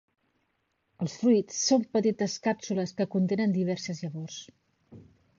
Els fruits són petites càpsules que contenen diverses llavors.